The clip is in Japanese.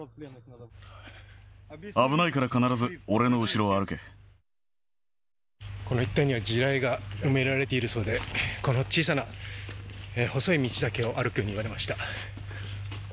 危ないから必ず俺の後ろを歩この一帯には地雷が埋められているそうで、この小さな細い道だけを歩くように言われました。